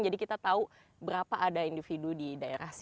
jadi kita tahu berapa ada individu di daerah sini